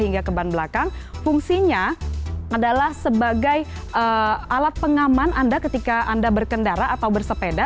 nah keban belakang fungsinya adalah sebagai alat pengaman anda ketika anda berkendara atau bersepeda